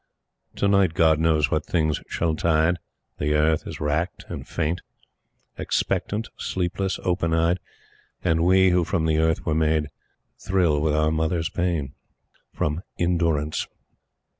To night God knows what thing shall tide, The Earth is racked and faint Expectant, sleepless, open eyed; And we, who from the Earth were made, Thrill with our Mother's pain. In Durance.